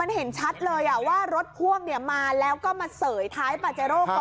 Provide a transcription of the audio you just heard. เห็นชัดเลยว่ารถพ่วงมาแล้วก็มาเสยท้ายปาเจโร่ก่อน